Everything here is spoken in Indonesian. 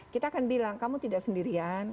kita akan bilang kamu tidak sendirian